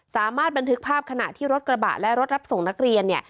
สามารถบันทึกภาพขณะที่รถกระบะและรถรับส่งนักเรียนเนี่ย